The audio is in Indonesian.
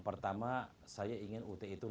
pertama saya ingin ut itu